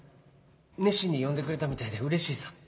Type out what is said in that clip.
熱心に読んでくれたみたいでうれしいさ。